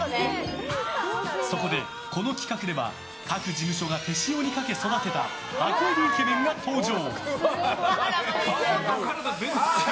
そこで、この企画では各事務所が手塩にかけて育てた箱入りイケメンが登場。